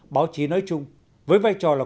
báo chí nói chung với vai trò là